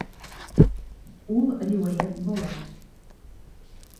Ул риүәйәт былай.